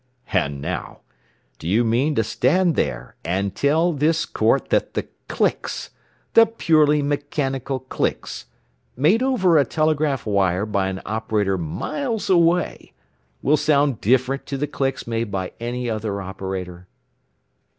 "And, now, do you mean to stand there and tell this court that the clicks the purely mechanical clicks made over a telegraph wire by an operator miles away will sound different to the clicks made by any other operator?"